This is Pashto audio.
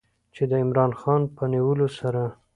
چې د عمران خان په نیولو سره